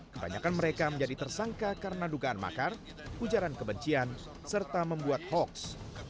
kebanyakan mereka menjadi tersangka karena dugaan makar ujaran kebencian serta membuat hoaks